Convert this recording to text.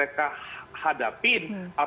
jika di warsi kata adaptir dan saya harus melakukan